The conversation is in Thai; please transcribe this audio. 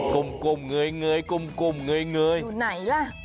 กลมเงยก้มเงยอยู่ไหนล่ะ